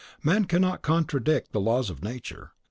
Man cannot contradict the Laws of Nature.